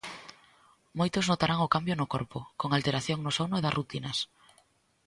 Moitos notarán o cambio no corpo, con alteración no sono e das rutinas.